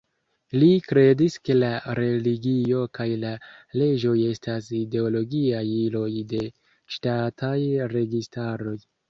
Li kredis ke la religio kaj la leĝoj estas ideologiaj iloj de ŝtataj registaroj.